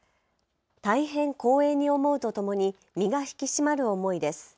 大変光栄に思うとともに身が引き締まる思いです。